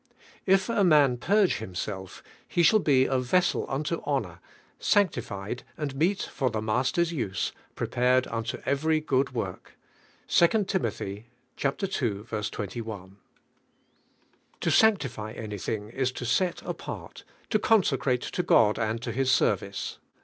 If a man .... purge himself .... he shall be a vessel auto honor, sanctified and meet for the Master's use, prepared auto every good work (II. Tim. il. 21). TO sanctify anything is to set apart, to consecrate, to God and to His set vice.